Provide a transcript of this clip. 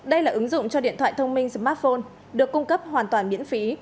đây là ứng dụng cho điện thoại thông minh smartphone được cung cấp hoàn toàn miễn phí